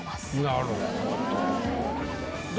なるほど。